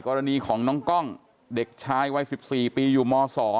กรณีของน้องกล้องเด็กชายวัย๑๔ปีอยู่ม๒